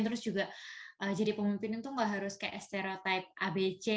terus juga jadi pemimpin itu gak harus kayak stereotype abc